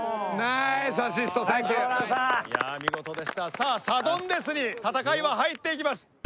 さあサドンデスに戦いは入っていきます。